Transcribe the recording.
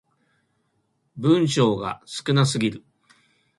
文章が少なすぎる